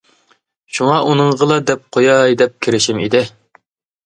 شۇڭا ئۇنىڭغىلا دەپ قوياي دەپ كېرىشىم ئىدى.